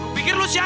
lu pikir lu siapa